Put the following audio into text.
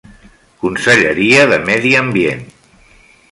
Conselleria de Medi Ambient.